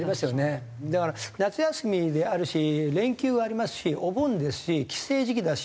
だから夏休みであるし連休はありますしお盆ですし帰省時期だし。